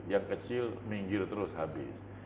yang kecil minggir terus habis